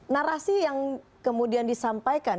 narasi yang kemudian disampaikan